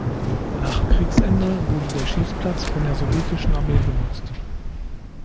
Nach Kriegsende wurde der Schießplatz von der sowjetischen Armee benutzt.